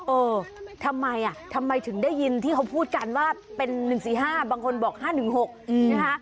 เออทำไมทำไมถึงได้ยินที่เขาพูดกันว่าเป็น๑๔๕บางคนบอก๕๑๖นะคะ